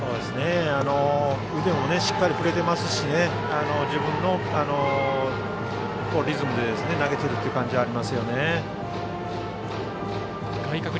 腕をしっかり振れていますし自分のリズムで投げている感じがありますね。